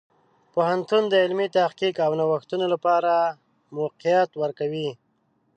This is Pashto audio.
پوهنتون د علمي تحقیق او نوښتونو لپاره موقعیت ورکوي.